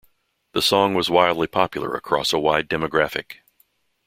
The song was wildly popular across a wide demographic.